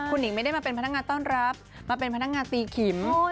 คุณหิงไม่ได้มาเป็นพนักงานต้อนรับมาเป็นพนักงานตีขิม